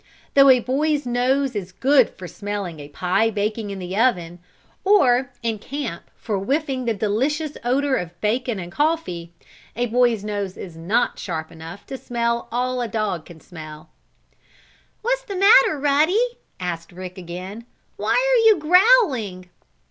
Though a boy's nose is very good for smelling a pie baking in the oven, or, in camp for whiffing the delicious odor of bacon and coffee, a boy's nose is not sharp enough to smell all a dog can smell. "What's the matter, Ruddy?" asked Rick again. "Why are you growling?"